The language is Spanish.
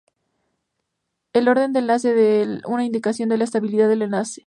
El orden de enlace da una indicación de la estabilidad del enlace.